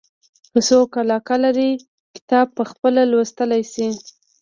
که څوک علاقه لري کتاب پخپله لوستلای شي.